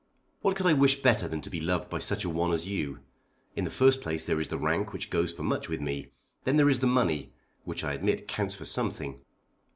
What could I wish better than to be loved by such a one as you? In the first place there is the rank which goes for much with me. Then there is the money, which I admit counts for something.